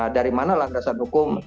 dari mana landasan hukum